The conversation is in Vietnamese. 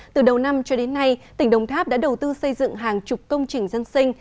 từ đầu năm cho đến nay tỉnh đồng tháp đã đầu tư xây dựng hàng chục công trình dân sinh